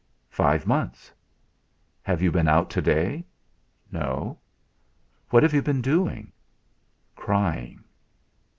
"Five months." "Have you been out to day?" "No." "What have you been doing?" "Crying."